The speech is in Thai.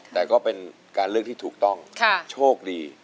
แต่ก็เป็นการเลือกที่ถูกต้องโชคดี